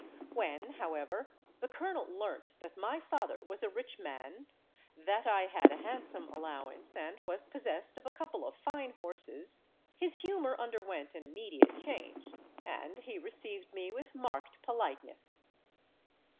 When, however, the colonel learnt that my father was a rich man, that I had a handsome allowance, and was possessed of a couple of fine horses, his humour underwent an immediate change, and he received me with marked politeness.